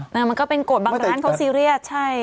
มันก็เป็นกฎบางร้านเขาซีเรียสใช่